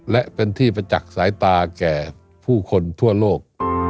และเป็นที่ประจักษ์สายตาแก่ผู้คนทั่วโลก